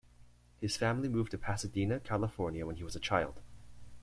His family moved to Pasadena, California when he was a child.